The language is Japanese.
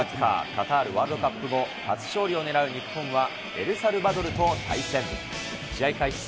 カタールワールドカップ後、初勝利を狙う日本は、エルサルバドルと対戦。